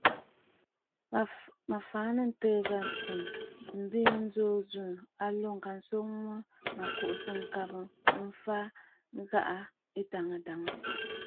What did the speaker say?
Mə fàʼà nɨ̂ ǹtɨɨ̀ ghâ tsɨm, mbɨ̀ʼɨ̀ ŋù tsù a lǒ ŋka swoŋ mə bɨ kuʼusə ŋkabə̀ ɨfàʼà ghaa adàŋə̀ dàŋə̀.